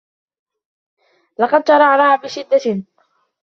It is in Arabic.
لقد ترعرع بشدة.